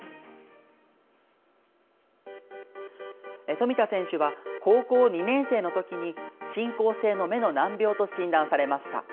富田選手は、高校２年生のときに進行性の目の難病と診断されました。